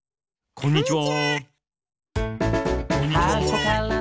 こんにちは！